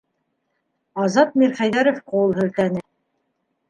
Азат Мирхәйҙәров ҡул һелтәне: